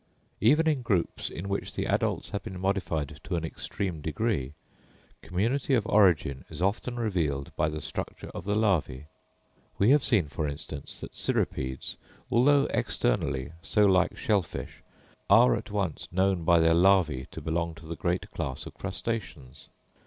Even in groups, in which the adults have been modified to an extreme degree, community of origin is often revealed by the structure of the larvæ; we have seen, for instance, that cirripedes, though externally so like shell fish, are at once known by their larvæ to belong to the great class of crustaceans.